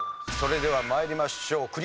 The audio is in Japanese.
それでは参りましょう。